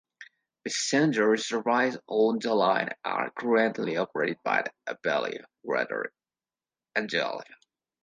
Passenger services on the line are currently operated by Abellio Greater Anglia.